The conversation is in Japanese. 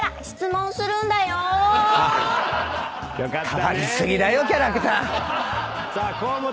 変わり過ぎだよキャラクター。